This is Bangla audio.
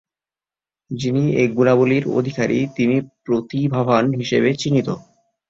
যিনি এ গুণাবলীর অধিকারী তিনি প্রতিভাবান হিসেবে চিহ্নিত।